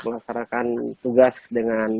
melaksanakan tugas dengan